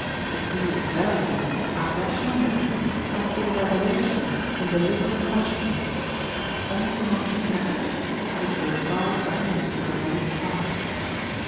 To be of value our rational methods must be the revelation in deliberate consciousness of unconscious methods which go far back into the remote past.